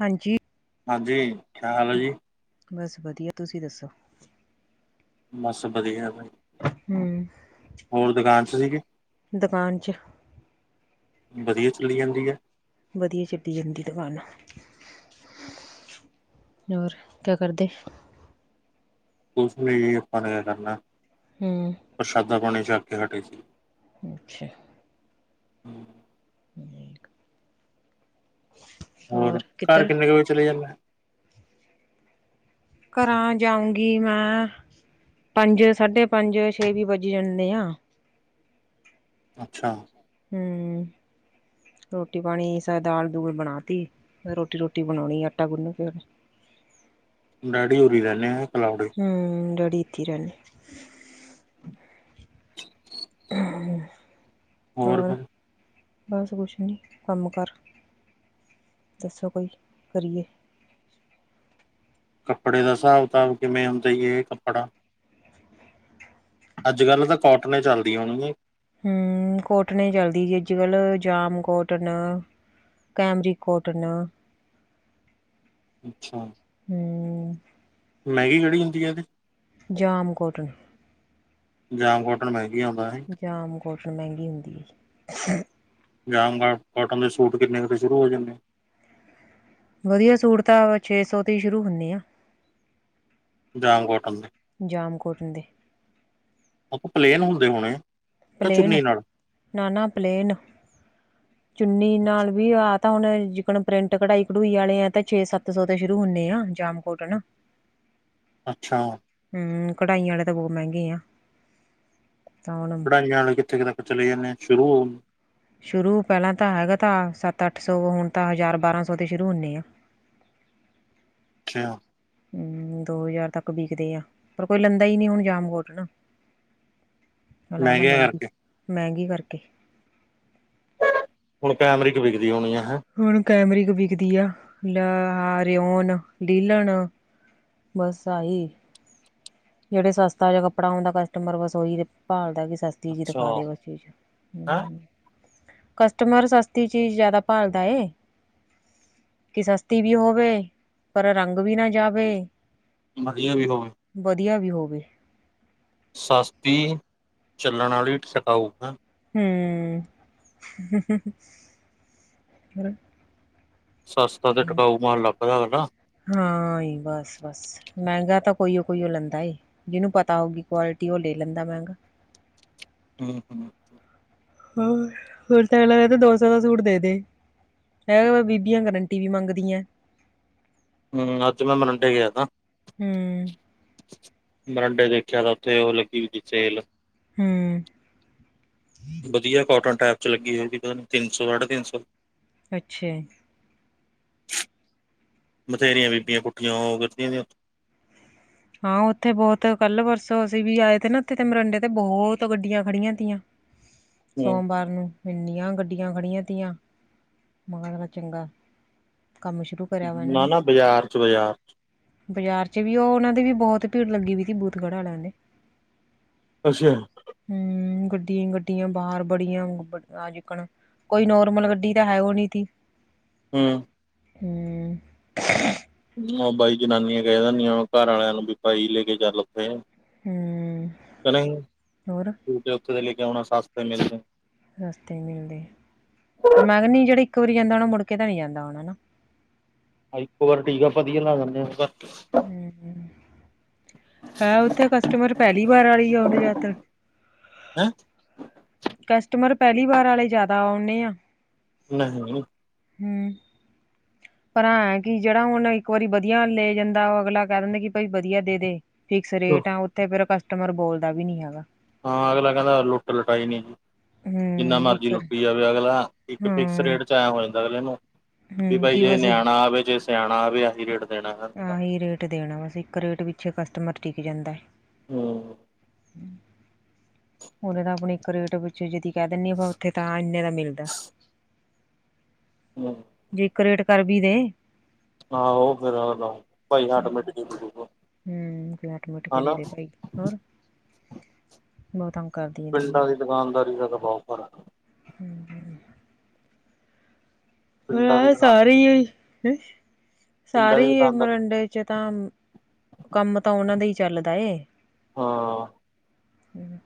ਹਾਂਜੀ। ਹਾਂਜੀ। ਕਿਆ ਹਾਲ ਹੈ ਜੀ। ਬਸ ਵਧੀਆ ਤੁਸੀਂ ਦੱਸੋ? ਬਸ ਵਧੀਆ ਬਾਈ। ਹੂੰ ਹੁਣ ਦੁਕਾਨ ਚੱ ਸੀਗੇ। ਦੁਕਾਨ 'ਚ ਵਧੀਆ ਚੱਲੀ ਜਾਂਦੀ ਐ। ਵਧੀਆ ਚੱਲੀ ਜਾਂਦੀ ਦੁਕਾਨ। ਹੋਰ ਕਿਆ ਕਰਦੇ? ਕੁਛ ਨੀ ਆਪਾਂ ਨੇ ਕਿਆ ਕਰਨਾ। ਹਮ। ਪ੍ਰਸ਼ਾਦਾ ਪਾਣੀ ਛੱਕ ਕੇ ਹਟੇ ਸੀ। ਅੱਛਾ। [unintelligible] ਹਮ। [unintelligible] ਹੋਰ ਘਰ ਕਿੰਨੇ ਕੁ ਵਜੇ ਚਲੇ ਜਾਂਦੇ? ਘਰ ਜਾਊਂਗੀ ਮੈਂ। ਪੰਜ ਸਾਢੇ ਪੰਜ ਛੇਵ ਵੀ ਵੱਜੀ ਜਾਂਨੇ ਆ। ਅੱਛਾ। ਹੂੰ। ਰੋਟੀ ਪਾਣੀ ਸ ਦਾਲ ਦੂਲ ਬਣਾ ਤੀ। ਰੋਟੀ- ਰੋਟੀ ਬਣਾਉਣੀ ਆਟਾ ਗੁੰਨਾ ਪੈ। ਡੈਡੀ ਉਰੀ ਰਹਿੰਨੇ ਐ ਕਲਾਉਡ ਹੂੰ। ਡੈਡੀ ਏਥੇ ਈ ਰੈਨੇ। ਹੋਰ। ਬਸ ਕੁਛ ਨੀ ਕੰਮ ਕਾਰ ਦੱਸੋ ਕੋਈ ਕਰੀਏ? ਕੱਪੜੇ ਦਾ ਹਿਸਾਬ ਕਿਤਾਬ ਕਿਵੇਂ ਹੁੰਦਾ ਏ ਕੱਪੜਾ? ਅੱਜ ਕੱਲ੍ਹ ਤਾਂ ਕੋਟਨਾ ਚੱਲਦੀਆਂ ਹੋਣਗੀਆਂ ਨੀ। ਹੂੰ। ਕੋਟਨ ਈ ਚਲਦੀ ਜੀ। ਅੱਜ ਕਲ ਜਾਮ ਕੋਟਨ। Camry cotton. ਅੱਛਾ। ਹੂੰ। ਮਹਿੰਗੀ ਕੈਹੜੀ ਹੁੰਦੀ ਐ ਏਹਦੇ ਜਾਮ ਕੋਟਨ। ਜਾਮ ਕੋਟਨ ਮਹਿੰਗੀ ਆਉਂਦਾ ਐ। ਜਾਮ ਕੋੌਟਨ ਮਹਿੰਗੀ ਹੁੰਦੀ ਏ। ਜਾਮ ਕਾ ਕੋਟਨ ਦੇ ਸੂਟ ਕਿੰਨੇ ਕੁ ਤਸ਼ੁਰੂ ਹੋ ਜਾਂਦੇ? ਵਧੀਆ ਸੂਟ ਤਾਂ ਛੇ ਸੌ ਤੋਂ ਸ਼ੁਰੂ ਹੁਨੇਆ। ਜਾਮ ਕੋਟਨ ਦੇ? ਜਾਮ ਕੋਟਨ ਦੇ। ਆਪਾਂ ਪਲੇਨ ਹੁੰਦੇ ਹੋਣੇ ਕਿ ਪਲੇਨ ਚੁੰਨੀ ਨਾਲ ਨਾ ਨਾ ਪਲੇਨ ਚੁੰਨੀ ਨਾਲ ਵੀ ਆਹ ਤਾਂ ਹੁਣ ਜਿਕਣ ਪ੍ਰਿੰਟ ਕਢਾਈ-ਕਢੂਈ ਵਾਲੇ ਆ ਤਾਂ ਛੇ-ਸੱਤ ਸੌ ਤੋਂ ਸ਼ੁਰੂ ਹੁੰਨੇ ਆ ਜਾਮ ਕੋਟਨ। ਅੱਛਾ। ਹਂ, ਕਢਾਈਆਂ ਵਾਲੇ ਤਾਂ ਬੋ ਮਹਿੰਗੇ ਆ। ਤਾਂ ਹੁਣ ਪੰਜਾਬ ਵਿਚ ਕਿੱਥੇ ਤੱਕ ਚਲੇ ਜਾਂਣੇ ਆ ਸ਼ੁਰੂ ਹੋਣ। ਸ਼ੁਰੂ ਪਹਿਲਾਂ ਤਾਂ ਹੈਗਾ ਤਾ ਸੱਤ-ਅੱਠ ਸੌ ਹੁਣ ਤਾਂ ਹਜ਼ਾਰ-ਬਾਰਾਂ ਸੌ ਤੋਂ ਸ਼ੁਰੂ ਹੁੰਨੇ ਆ। [unintelligible] ਹਂ, ਦੋ ਹਜ਼ਾਰ ਤੱਕ ਬੀਕਦੇ ਆ। ਪਰ ਕੋਈ ਲੈਂਦਾ ਈ ਨੀ ਹੁਣ ਜਾਮ ਕੋਟਨ। ਅਗਲਾ ਕਹਿੰਦਾ ਮਹਿੰਗੀਆਂ ਮਹਿੰਗੀ, ਕਰਕੇ ਮਹਿੰਗੀ ਕਰਕੇ। ਹੁਣ ਕੈਮਰਿਕ ਵਿਕਦੀ ਹੋਣੀ ਐ। ਹੈਂ? ਹੁਣ ਕੈਮਰਿਕ ਵਿਕਦੀ ਆ, ਲਾ ਰੇਓਨ, ਲੀਲਣ। ਬਸ ਆਹੀ ਜਿਹੜੇ ਸਸਤਾ ਜਹਾ ਕੱਪੜਾ ਆਂਦਾ ਕਸਟਮਰ ਵਸ ਓਹੀ ਤੇ ਭਾਲਦਾ ਕਿ ਸਸ ਦੀਦੀ ਅੱਛਾ ਦਿਖਾ ਦੇ ਓ ਚੀਜ਼। ਹਂ ਹੈ ਕਸਟਮਰ ਸਸਤੀ ਚੀਜ਼ ਜਆਦਾ ਭਾਲਦਾ ਏ। ਕਿ ਸਸਤੀ ਵੀ ਹੋਵੇ, ਪਰ ਰੰਗ ਵੀ ਨਾ ਜਾਵੇ। ਵਧੀਆ ਵੀ ਹੋਵੇ। ਵਧੀਆ ਵੀ ਹੋਵੇ। ਸਸਤੀ, ਚੱਲਣ ਵਾਲੀ ਤੇ ਟਕਾਊ। ਹੈਂ। ਹਂ ਸਸਤਾ ਤੇ ਟਿਕਾਊ ਮਾਲ ਲੱਭਦਾ ਅਗਲਾ। ਹਾਂ ਈ ਬਸ ਬਸ। ਮਹਿੰਗਾ ਤਾਂ ਕੋਈਓ ਕੋਈਓ ਲੈਂਦਾ ਏ। ਜਿਹਨੂੰ ਪਤਾ ਹੋਊਗੀ ਕੁਆਲਿਟੀ ਓ ਲੈ ਲੈਂਦਾ ਮਹਿੰਗਾ। ਹਂ, ਹਂ। ਹੋਰ, ਫਿਰ ਤਾਂ ਐ ਲੱਗਦਾ ਦੋਸ ਦਾ ਸੂਟ ਦੇ ਦੇ। ਹੈ ਬੀਬੀਆਂ ਗਰੰਟੀ ਵੀ ਮੰਗਦੀਆਂ। ਹਂ, ਅੱਜ ਮੈਂ ਮਾਰਿੰਡੇ ਗਿਆ ਤਾਂ ਹਂ। ਮਰਿੰਡੇ ਦੇਖਿਆ ਤਾਂ ਉੱਥੇ ਉਹ ਲੱਗੀ ਵੀ ਸੇਲ। ਹਂ। ਵਧੀਆ ਕੋਟਨ ਟਾਈਪ ਚ ਲੱਗੀ ਹੋਏਗੀ ਪਤਾ ਨ੍ਹੀਂ ਤਿੰਨ ਸੌ, ਸਾਢੇ ਤਿੰਨ ਸੌ। ਅੱਛਾ। ਬਥੇਰੀਆਂ ਬੀਬੀਆਂ ਪੁੱਠੀਆਂ ਹੋ ਕਰਦੀਆਂ ਦੀਆਂ ਹਾਂ ਉੱਥੇ ਬਹੁਤ ਕੱਲ੍ਹ ਪਰਸੋਂ ਅਸੀਂ ਵੀ ਆਏ ਤੇ ਨਾ ਉੱਥੇ ਤੇ ਮਰਿੰਡੇ ਤੇ ਬਹੁਤ ਗੱਡੀਆਂ ਖੜੀਆਂ ਦੀਆਂ। [inaudible] ਸੋਮਵਾਰ ਨੂੰ। ਇਨੀਆਂ ਗੱਡੀਆਂ ਖੜੀਆਂ ਤੀਆਂ, ਮੈਂਗਾ ਚੰਗਾ ਕੰਮ ਸ਼ੁਰੂ ਕਰਿਆ ਵਾ ਇਹਨਾਂ ਨਾ ਨੇ ਨਾ ਬਜ਼ਾਰ ਚ ਬਾਜ਼ਾਰ ਚ ਬਾਜ਼ਾਰ ਚ ਵੀ ਉਹ ਉਹਨਾਂ ਦੀ ਵੀ ਬਹੁਤ ਭੀੜ ਲੱਗੀ ਵੀਈ ਸੀ ਬੂਥਗੜ੍ਹਾ ਲਿਆਂ ਦੇ। ਅੱਛਾ। ਹਂ, ਗੱਡੀ ਗੱਡੀਆਂ ਬਾਹਰ ਬੜੀਆਂ ਆਜਿਕਣ ਕੋਈ ਨੋਰਮਲ ਗੱਡੀ ਤਾਂ ਹੈ ਉਹ ਨੀ ਥੀ। ਹੂੰ ਹੂੰ ਓ ਬਾਈ ਜਨਾਨੀਆਂ ਕਹਿ ਦਿੰਦੀਆਂ ਘਰ ਆਲਿਆਂ ਨੂੰ ਵੀ ਭਾਈ ਲੈ ਕੇ ਚੱਲ। ਤੇ ਹੂੰ ਕੇ ਨਈ, ਹੋਰ [unintelligible] ਓਥੇ ਦੇ ਲੈ ਕੇ ਆਉਣਾ ਸੱਸ ਨੇ ਮੇਰੀ ਨੇ। ਰਸਤੇ ਮਿਲਦੇ ਪਰ ਮੈਂ ਕਹਨੀ ਜੇੜੀ ਇੱਕ ਵਾਰੀ ਜਾਂਦਾ ਮੁੜਕੇ ਤਾਂ ਨੀ ਜਾਂਦਾ ਹੋਣਾ ਨਾ। ਅਹ ਇੱਕੋ ਵਾਰ ਟੀਕਾ ਵਧੀਆ ਲਾ ਦੇਂਦੇ ਆਂ। [unintelligible] ਹੂੰ ਹੈਂ ਓਥੇ ਕਸਟਮਰ ਪਹਿਲੀ ਵਾਰ ਵਾਲੇ ਆਉਣ ਯਿਆਤਰ ਹੈਂ‌? ਕਸਟਮਰ ਪਹਿਲੀ ਵਾਰ ਆਲੇ ਜਾਦਾ ਆਉਨੇ ਆ। ਨਹੀਂ। ਹੂੰ ਪਰ ਆ ਐ ਕਿ ਜੇੜਾ ਹੁਨ ਇੱਕ ਵਾਰੀ ਵਧੀਆ ਲੈ ਜਾਂਦਾ, ਓ ਅਗਲਾ ਕਹਿ ਦਿੰਦਾ ਕਿ ਭਾਈ ਵਧੀਆ ਦੇਦੇ। ਫਿਕਸ ਰੇਟ ਆ, ਓਥੇ ਫੇਰ ਕਸਟਮਰ ਬੋਲਦਾ ਵੀ ਨੀ ਹੈਗਾ। ਹਾਂ ਅਗਲਾ ਕਹਿੰਦਾ ਲੁੱਟ ਲੁਟਾਈ ਨੀ ਜੀ। ਜਿੰਨਾ ਹੂੰ ਮਰਜ਼ੀ ਇੱਕ ਵਾਰ- ਲੁੱਟੀ ਜਾਵੇ ਅਗਲਾ, ਇੱਕ ਫਿਕਸ ਹਾਂ ਰੇਟ 'ਚ ਐ ਹੋ ਜਾਂਦਾ ਅਗਲੇ ਨੂੰ ਵੀ ਹੂੰ ਬਾਈ ਕੀ ਜੇ ਬਸ ਨਿਆਣਾ ਆਵੇ, ਜੇ ਸਿਆਣਾ ਆਵੇ ਅਹੀ ਰੇਟ ਦੇਣਾ ਹੈ ਆਹੀ ਰੇਟ ਦੇਣਾ ਬਸ ਇੱਕ ਰੇਟ ਪਿੱਛੇ ਕਸਟਮਰ ਟੀਕ ਜਾਂਦਾ। ਹੂੰ ਓਨੇ ਤਾਂ ਅਪਨੀ ਇੱਕ ਰੇਟ ਵਿੱਚ [unintelligible] ਕਹਿ ਦਿੰਦੀ ਓਥੇ ਤਾਂ ਇੰਨੇ ਦਾ ਮਿਲਦਾ। ਹੂੰ ਜੇ ਇੱਕ ਰੇਟ ਕਰ ਵੀ ਦੇ। ਆਹੋ। [unintelligible] ਹੂੰ, ਜੇ ਹੱਟ ਮੁੱਟ ਕਰੇ ਹਨਾ ਦੇ ਭਾਈ ਹੋਰ। ਬੋਤ ਤੰਗ ਕਰਦੀ। ਆ ਦੀਵੀਆਂ ਪਿੰਡਾਂ ਦੀ ਦੁਕਾਨਦਾਰੀ ਦਾ [unintelligible] ਹੂੰ ਪਿੰਡਾਂ ਦੀ ਹੈ ਦੁਕਾਨ ਸਾਰੇ ਈ ਯਹੀ, ਪਿੰਡਾਂ ਸਾਰੇ ਦੀ ਈ ਦੁਕਾਨਦਾਰੀ ਮਰਿੰਡੇ ਚ ਤਾਂ ਕੰਮ ਤਾਂ ਓਨਾਂ ਦਾ ਹੀ ਚੱਲਦਾ ਏ, ਹਾਂ ਹੂੰ।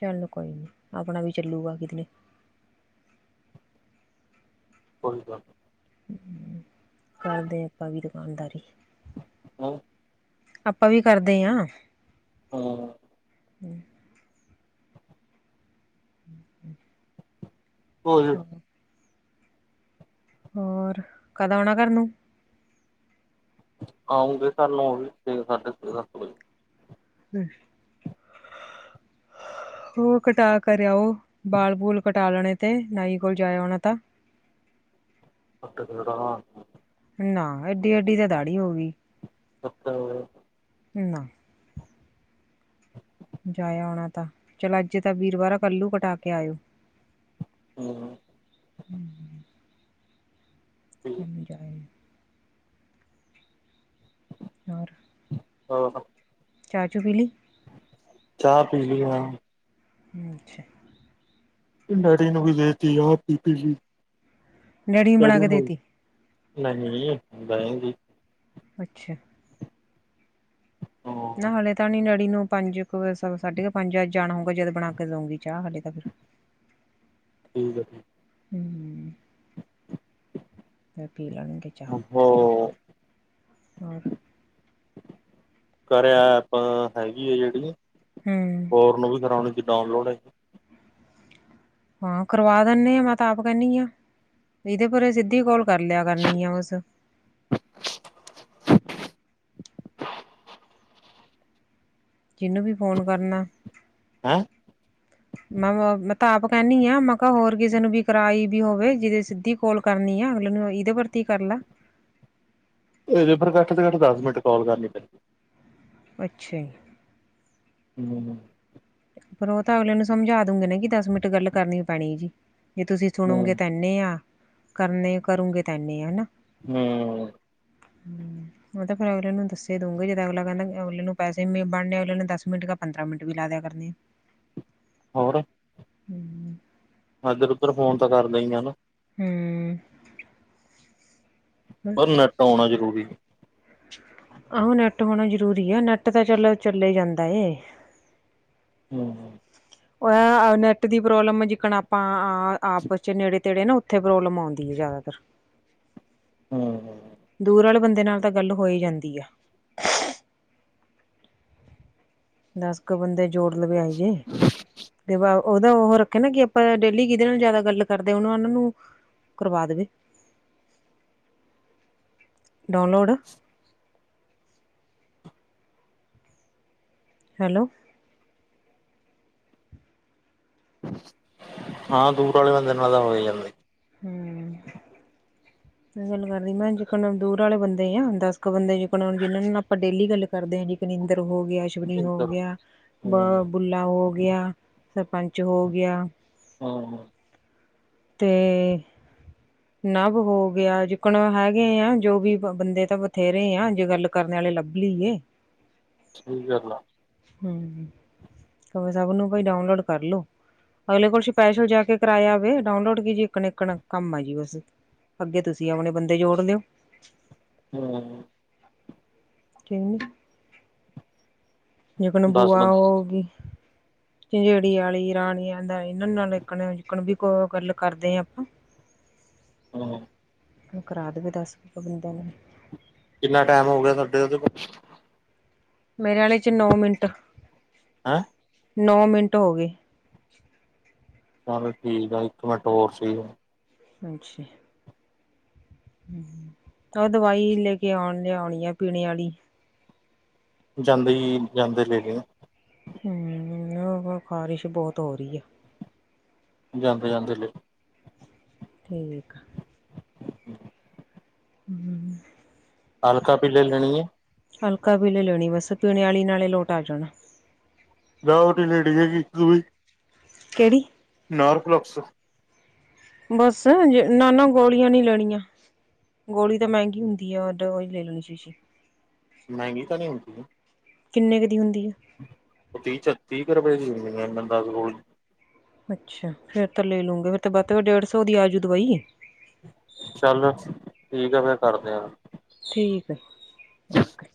ਚੱਲ ਕੋਈ ਨੀ, ਆਪਣਾ ਵੀ ਚੱਲੂਗਾ ਕਿੱਧਰੇ। ਕੋਈ ਗੱਲ ਨਈ। ਹੂੰ, ਕਰਦੇ ਆਪਾਂ ਵੀ ਦੁਕਾਨਦਾਰੀ। [unintelligible] ਆਪਾਂ ਵੀ ਕਰਦੇ ਆਂ। ਹਾਂ। ਹੂੰ ਹੂੰ, ਹੂੰ। [unintelligible] ਹੋਰ, ਕਦ ਆਉਣਾ ਘਰ ਨੂੰ? ਆਉਂਗੇ, [unintelligible] ਸਾਢੇ ਛੇ ਸੱਤ ਵਜੇ। ਹੂੰ। ਹੋਰ ਕਟਾ ਕਰ ਆਓ, ਬਾਲ-ਬੂਲ ਕਟਾ ਲੈਣੇ ਤੇ ਨਾਈ ਕੋਲ ਜਕ ਆਉਣਾ ਤਾ। [unintelligible] ਨਾ ਏਡੀ-ਏਡੀ ਤੇ ਦਾੜੀ ਹੋ ਗੀ। ਅੱਛਾ। ਨਾ। ਜਾਇਆ ਆਣਾ ਤਾਂ, ਚਲੋ ਅੱਜ ਤਾਂ ਵੀਰਵਾਰ ਐ ਕਲ ਨੂੰ ਕਟਾ ਕੇ ਆਇਓ। ਹੂ ਕੰਮ ਜਾਏ। ਹੋਰ। ਹਾਂ ਅ। ਚਾਹ ਚੁ ਪੀਲੀ। ਚਾਹ ਪੀ ਲੀ ਆ। ਅੱਛਾ। ਡੈਡੀ ਨੂੰ ਵੀ ਦੇਤੀ, ਆਪ ਵੀ ਲੀ, ਬਣਾ ਡੈਡੀ ਕੇ ਨੂੰ ਵੀ। ਦੇਤੀ ਨਹੀਂ ਬਹਿ ਗੀ। ਅੱਛਾ। ਹੂ ਨਾ ਹਲੇੇ ਤਾਂ ਨੀ ਡੈਡੀ ਨੂੰ ਪੰਜ ਸਾਢੇ ਕੁ ਪੰਜ ਅੱਜ ਜਾਣਾ ਹੋਊਗਾ, ਜਦ ਬਣਾ ਕੇ ਦਊਂਗੀ ਚਾਹ ਹਾਲੇ ਤਾਂ ਫਿਰ। ਠੀਕ ਐ ਹੂ ਮੈਂ ਪੀ ਲਾਂਗੀ ਉਠੋ ਹੋਰ ਕਾਰਯਾ ਆਪਾਂ ਹੈਗੀ ਆ ਜਿਹੜੀ। ਹੂ ਫੋਰ ਨੂੰ ਵੀ ਕਰਾਉਣੀ ਚ ਡਾਊਨਲੋਡ ਹੈ। ਹਾਂ ਕਰਵਾ ਦਿਨੇ ਆਂ ਮੈਂ ਤਾਂ ਆਪ ਕਹਿੰਦੀ ਹਾਂ ਇਹਦੇ ਪੂਰੇ ਸਿੱਧੀ ਕੋਲ ਕਰ ਲਿਆ ਕਰਨੀ ਆ ਉਸ। ਜਿਹਨੂੰ ਵੀ ਫੋਨ ਕਰਨਾ ਹ। ਹੈਂ। ਮੈਂ ਮੈਂ ਤਾਂ ਆਪ ਕਹਿੰਦੀ ਆ ਮੈਂ ਕਿਹਾ ਹੋਰ ਕਿਸੇ ਨੂੰ ਵੀ ਕਰਾਈ ਵੀ ਹੋਵੇ, ਜਿਦੇ ਸਿੱਧੀ ਕਾੱਲ। ਕਰਨੀ ਆ ਅਗਲੇ ਨੂੰ ਇਹਦੇ ਪ੍ਰਤੀ ਕਰ ਲਾ। ਇਹ ਪਰਰ ਘੱਟ ਤੋਂ ਘੱਟ ਦਸ ਮਿੰਟ ਕਾਲ ਕਰਨੀ ਪੈਂਦੀ। ਅੱਛਾ। ਹੂ ਪਰ ਉਹ ਤਾਂ ਅਗਲੇ ਨੂੰ ਸਮਝਾ ਦੂਗੇ ਨਾ ਕਿ ਦਸ ਮਿੰਟ ਗੱਲ ਕਰਨੀ ਪੈਣੀ ਜੀ, ਜੇ ਤੁਸੀਂ ਹੂੰ ਸੁਣੋਗੇ ਤੈਹੀ ਇਨੇ ਆ ਕਰਨੇ ਕਰੂੰਗੇ ਤਾਂ ਇਨੇ ਆ ਹਨਾ। ਹੂ ਉਹ ਤਾਂ ਫਿਰ ਅਗਲੇ ਨੂੰ ਦੱਸ ਦਂਗੇ ਜਦੋਂ ਅਗਲਾ ਕਹਿੰਦਾ ਅਗਲੇ ਨੂੰ ਪੈਸੇ ਬਣਨ ਆ ਅਗਲੇ ਨੂੰ ਦ ਮਿੰਟ ਕੇ ਪੰਦਰਾਂ ਮਿੰਟ ਵੀ ਲਾ ਦਿਆ ਕਰ। ਹਨ। ਹੋਰ। ਹੂੰ ਹਾਂ ਫਿਰ ਉੱਧਰ ਫੋਨ ਤਾਂ ਕਰ ਦਈ ਹੀ ਹਾਂ ਨਾ। ਹੂ ਪਰ ਨੈੱਟ ਆਉਣਾ ਜ਼ਰੂਰੀ। ਆਹੋ ਨੈੱਟ ਹੋਣਾ ਜਰੂਰੀ ਆ ਨੈੱਟ ਤਾਂ ਚੱਲੋ ਚੱਲਿਆ ਜਾਂਦਾ ਏ ਹੂ ਹੂ ਉਹ ਇਹ ਨੈੱਟ ਦੀ ਪ੍ਰੋਬਲਮ ਜੀਕਣ ਆਪਾਂ ਆਪਸ 'ਚ ਨੇੜੇ ਤੇੜੇ ਨਾ। ਉੱਥੇ ਪ੍ਰੋਬਲਮ ਆਉਂਦੀ ਹੈ ਜ਼ਿਆਦਾਤਰ। ਹੂੰ। ਦੂਰ ਵਾਲੇ ਬੰਦੇ ਨਾਲ ਤਾਂ ਗੱਲ ਹੋ ਹੀ ਜਾਂਦੀ ਆ। ਦਸ ਕੁ ਬੰਦੇ ਜੋੜ ਲਵੇ ਆਏ ਜੀ ਤੇ। ਓਦਾ ਉਹ ਰੱਖਿਆ ਨਾ ਕਿ ਆਪਾਂ ਡੇਲੀ ਜੀਦੇ ਨਾਲ ਜ਼ਿਆਦਾ ਗੱਲ ਕਰਦੇ ਉਹਨੂੰ ਓਨਾਂ ਨੂੰ ਕਰਵਾ ਦੇਵੇ। [unintelligible] ਡਾਊਨਲੋਡ। ਹੈਲੋ। ਹਾਂ, ਦੂਰ ਆਲੇ ਬੰਦੇ ਨਾਲ ਤਾਂ ਹੋ ਈ ਜਾਂਦੀ। ਹੂੰ, ਗੱਲ ਕਰ ਰਈ ਮੈਂ ਜੇਕਰ ਦੂਰ ਵਾਲੇ ਬੰਦੇ ਆ ਦਸ ਕੁ ਬੰਦੇ ਜਿੰਨਾਂ ਨਾਲ ਆਪਾਂ ਡੇਲੀ ਗੱਲ ਕਰਦੇ ਹਾਂ ਇੱਕ ਨਿੰਦਰ ਹੋ ਗਿਆ। ਗੁਰੀ ਹੋ ਇੱਧਰ ਗਿਆ, ਬ ਹੂੰ ਬੁੱਲਾ ਹੋ ਗਿਆ, ਸਰਪੰਚ ਹੋ ਗਿਆ। ਹਾਂ-ਹਾਂ। ਤੇ ਨਵ ਹੋ ਗਿਆ ਜੀਕਨ ਹੈਗੇ ਆ ਜੋ ਵੀ ਬੰਦੇ ਤਾਂ ਬਥੇਰੇ ਆ ਜੇ ਗੱਲ ਕਰਨੇ ਆਲੇ ਲੱਭ ਲਈਏ। ਸਈ ਗੱਲ ਆ। ਹੂੰ ਕਹੂੰ ਸਭ ਨੂੰ ਭਾਈ ਡਾਊਨਲੋਡ ਕਰਲੋ। ਅਗਲੇ ਕੋਲ ਸਪੈਸ਼ਲ ਜਾ ਕੇ ਕਰਾਇਆ ਆਵੇ ਡਾਊਨਲੋਡ ਕੀ ਜੀ ਏਕਨ, ਏਕਨ ਕੰਮ ਆਜੂ ਬਸ। ਅੱਗੇ ਤੁਸੀਂ ਆਪਣੇ ਬੰਦੇ ਜੋੜ ਲਿਓ। ਹੂੰ। ਕਿਵੇਂ। ਜੀਕਨ ਦਸ ਬੂਆ ਬੰਦੇ ਹੋਗੀ। ਝੰਜੇੜੀ ਆਲੀ ਰਾਣੀਆਂ ਦਾ ਏਨਾਂ ਨਾ ਏਕਨ ਜੀਕਨ ਵੀ ਗੱਲ ਕਰਦੇ ਆ ਆਪਾਂ। ਹੂੰ। ਕਰਾ ਦੇਵੇ ਦਸ ਕੁੁ ਬੰਦਿਆਂ ਨੂੰ। ਕਿੰਨਾ ਟੈਮ ਹੋ ਗਿਆ ਥੋਡੇ ਓਦੇ। ਮੇਰੇ ਆਲੇ 'ਚ ਨੌ ਮਿੰਟ, ਹੈਂ ਨੌ ਮਿੰਟ ਹੋਗੇ। ਚਲ ਠੀਕ ਆ ਇੱਕ ਮਿੰਟ ਹੋਰ ਸਈ ਏ। ਹਾਂਜੀ। ਓ ਦਵਾਈ ਲੇ ਕੇ ਆਉਣ ਲਿਆਉਣੀ ਆ ਪੀਣੇ ਆਲੀ। ਜਾਂਦੇ ਈ ਜਾਂਦੇ ਲੇ ਲੀਓ। ਹੂੰ ਓ ਫੇਰ ਖ਼ਾਰਿਸ਼ ਬਹੁਤ ਹੋ ਰਈ ਆ। ਜਾਂਦੇ-ਜਾਂਦੇ। ਠੀਕ ਆ। ਹੂੰ। ਹਲਕਾ ਪੀਲੀ ਲੈਣੀ ਐ। ਹਲਕਾ ਪੀਲੀ ਲੈਣੀ ਬਸ ਪੀਣੇ ਆਲੀ ਨਾਲੀ ਲੋਟ ਆ ਜੂ। ਜਾ ਓਦੇ ਲਈ ਡਿੱਗੇਗੀ ਤੂੰ। ਕੇੜੀ। ਨਾਰਫੌਲੈਕਸ। ਬਸ ਨਾ-ਨਾ ਗੋਲੀਆਂ ਨੀ ਲੈਣੀਆਂ। ਗੋਲੀ ਤਾਂ ਮਹਿੰਗੀ ਹੁੰਦੀ ਆ ਦਵਾਈ ਲੈ ਲੈਣੀ ਸ਼ੀਸ਼ੀ। ਮਹਿੰਗੀ ਤਾਂ ਨੀ ਹੁੰਦੀ। ਕਿੰਨੇ ਕੁ ਦੀ ਹੁੰਦੀ ਐ। ਓ ਤੀਹ ਚ ਤੀਹ ਕੁ ਰੁਪਏ ਦੀ ਹੁੰਦੀ ਏ ਦਸ ਗੋਲੀ ਅੱਛਾ, ਫੇਰ ਤਾਂ ਲੈ ਲੂਗੇ ਫੇਰ ਬਧ ਤੋਂ ਬਧ ਡੇਢ ਸੌ ਦੀ ਆਜੂ ਦਵਾਈ ਚਲੋ ਠੀਕ ਆ ਫੇਰ ਕਰਦੇ ਆਂ ਠੀਕ ਹੈ ਓਕੇ